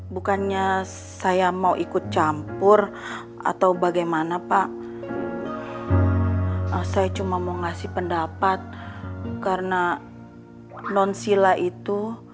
bukannya saya mau ikut campur atau bagaimana pak saya cuma mau ngasih pendapat karena non sila itu